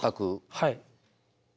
はい。